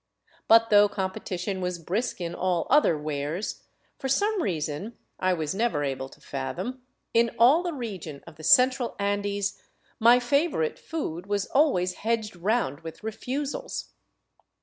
But though competition was brisk in all other wares, for some reason I was never able to fathom, in all the region of the cen tral Andes my favorite food was always hedged round with refusals.